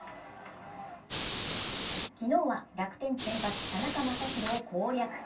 昨日は楽天先発・田中将大を攻略。